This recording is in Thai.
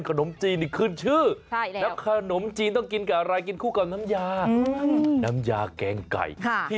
ขนมจีนขึ้นชื่อแล้วขนมจีนต้องกินกับอะไร